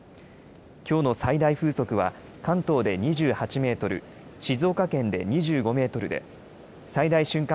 きょうの最大風速は関東で２８メートル、静岡県で２５メートルで最大瞬間